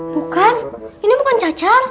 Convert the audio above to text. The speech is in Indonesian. bukan ini bukan cacar